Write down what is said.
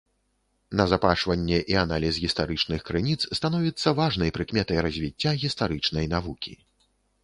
Назапашванне і аналіз гістарычных крыніц становіцца важнай прыкметай развіцця гістарычнай навукі.